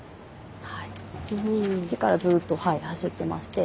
こっちからずっと走ってまして。